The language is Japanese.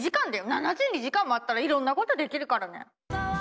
７２時間もあったらいろんなことできるからね。